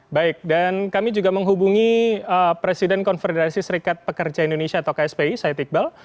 baik dan kami juga menghubungi presiden konferensi serikat pekerja indonesia atau kspi saya tikbal